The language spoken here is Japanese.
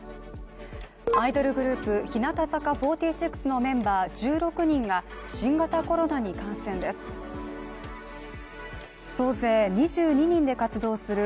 アイドルグループ、日向坂４６のメンバー１６人が新型コロナに感染です。